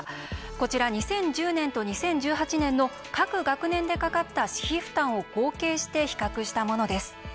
こちら２０１０年と２０１８年の各学年でかかった私費負担を合計して比較したものです。